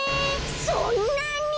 そんなに！？